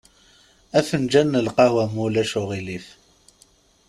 Afenǧal n lqehwa, ma ulac aɣilif.